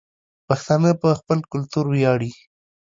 پښتانه په خپل کلتور وياړي